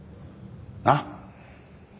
なっ？